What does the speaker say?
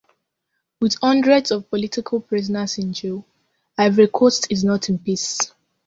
With hundreds of political prisoners in jail, Ivory Coast is not in peace.